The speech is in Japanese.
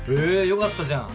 よかったじゃん。